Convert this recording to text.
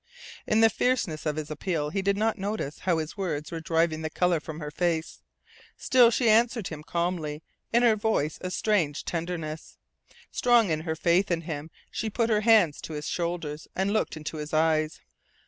In the fierceness of his appeal he did not notice how his words were driving the colour from her face. Still she answered him calmly, in her voice a strange tenderness. Strong in her faith in him, she put her hands to his shoulders, and looked into his eyes.